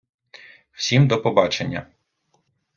Всім до побачення!